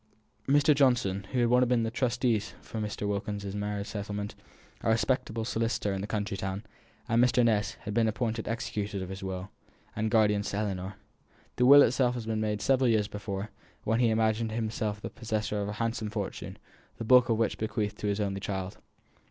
Mr. Johnson, who had been one of the trustees for Mrs. Wilkins's marriage settlement, a respectable solicitor in the county town, and Mr. Ness, had been appointed executors of his will, and guardians to Ellinor. The will itself had been made several years before, when he imagined himself the possessor of a handsome fortune, the bulk of which he bequeathed to his only child.